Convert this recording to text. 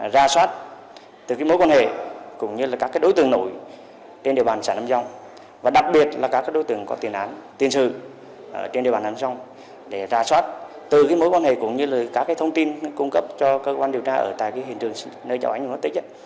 rà soát từ mối quan hệ cũng như là các thông tin cung cấp cho cơ quan điều tra ở tại hình trường nơi cháu hành vi khó tích